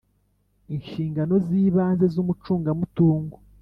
Inshingano z ibanze z umucungamutungo